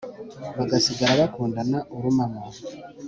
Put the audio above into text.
bagasigara bakundana urumamo